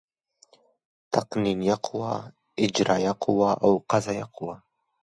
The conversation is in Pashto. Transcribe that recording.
تقنینیه قوه، اجرائیه قوه او قضایه قوه.